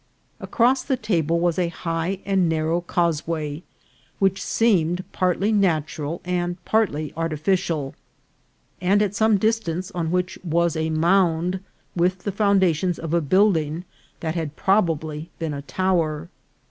Across the table was a high and narrow causeway, which seemed partly natural and partly artificial, and at some distance on which was a mound, with the foundations of a building that had prob ably been a tower.